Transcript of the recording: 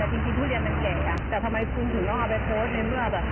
แต่จริงทุเรียนมันแก่แต่ทำไมคุณถึงต้องเอาไปโพสต์ในเมื่อแบบ